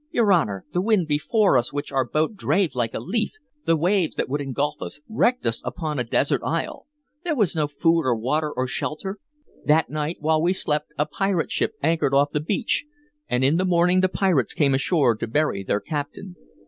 Your Honor, the wind before which our boat drave like a leaf, the waves that would engulf us, wrecked us upon a desert isle. There was no food or water or shelter. That night, while we slept, a pirate ship anchored off the beach, and in the morning the pirates came ashore to bury their captain.